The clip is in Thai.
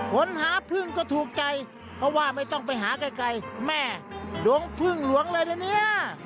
คนหาพึ่งก็ถูกใจเพราะว่าไม่ต้องไปหาไกลแม่ดวงพึ่งหลวงเลยนะเนี่ย